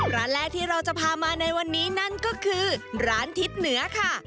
ร้านแรกที่เราจะพามาในวันนี้นั่นก็คือร้านทิศเหนือค่ะ